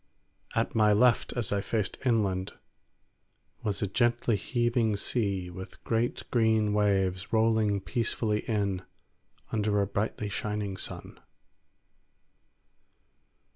At my left as I faced inland was a gently heaving sea with great green waves rolling peacefully in under a brightly shining sun.